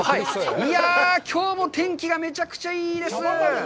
いやぁ、きょうも天気がめちゃくちゃいいです。